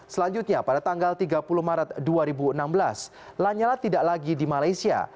selanjutnya pada tanggal tiga puluh maret dua ribu enam belas lanyala tidak lagi di malaysia